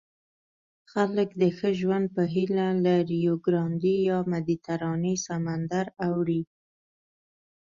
خلک د ښه ژوند په هیله له ریوګرانډي یا مدیترانې سمندر اوړي.